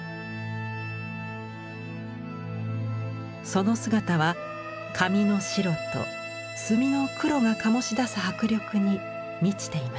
その姿は紙の白と墨の黒が醸し出す迫力に満ちています。